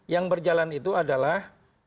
yang berjalan itu adalah